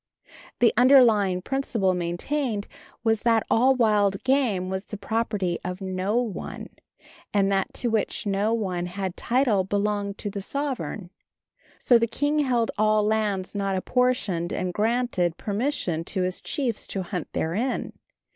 The underlying principle maintained was that all wild game was the property of no one, and that to which no one had title belonged to the sovereign. So the king held all lands not apportioned, and granted permission to his chiefs to hunt therein.